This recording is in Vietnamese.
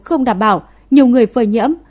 không đảm bảo nhiều người phơi nhẫm